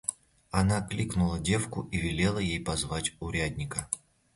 Она кликнула девку и велела ей позвать урядника.